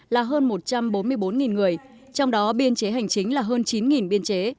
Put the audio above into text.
là hơn một trăm bốn mươi bốn người trong đó biên chế hành chính là hơn chín biên chế